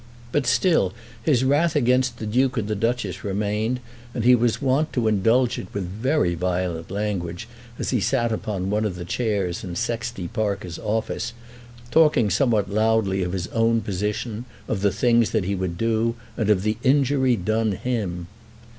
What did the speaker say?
But still his wrath against the Duke and Duchess remained, and he was wont to indulge it with very violent language as he sat upon one of the chairs in Sexty Parker's office, talking somewhat loudly of his own position, of the things that he would do, and of the injury done him.